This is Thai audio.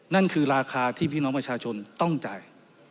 นั่นคือราคาที่พี่น้องประชาชนต้องจ่าย